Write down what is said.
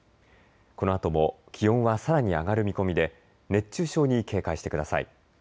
このあとも気温はさらに上がる見込みで熱中症に警戒してください。